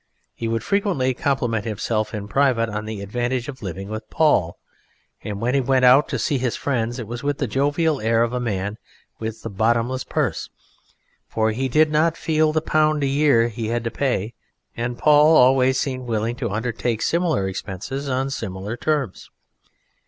He would frequently compliment himself in private on the advantage of living with Paul, and when he went out to see his friends it was with the jovial air of the Man with the Bottomless Purse, for he did not feel the pound a year he had to pay, and Paul always seemed willing to undertake similar expenses on similar terms.